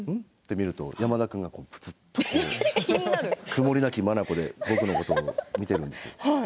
見ると山田君がずっと曇りなき眼で僕の方を見ているんですよ。